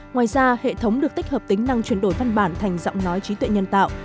ngoài ra hệ thống được tích hợp tính năng chuyển đổi văn bản thành giọng nói trí tuệ nhân tạo